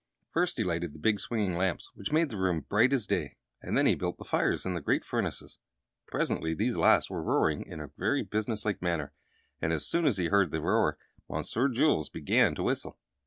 First, he lighted the big swinging lamps, which made the room bright as day, and then he built the fires in the great furnaces. Presently these last were roaring in a very business like manner, and as soon as he heard the roar Monsieur Jules began to whistle.